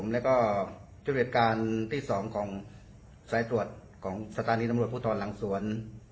และจุดเรียบการที่๒ของสายตรวจของสถานีนำรวจภูทรหลังสวน